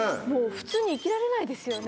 普通に生きられないですよね